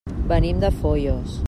Venim de Foios.